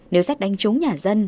nếu xét đánh trúng nhà dân